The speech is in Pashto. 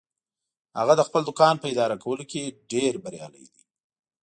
هغه د خپل دوکان په اداره کولو کې ډیر بریالی ده